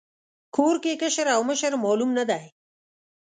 کور کې کشر او مشر معلوم نه دی.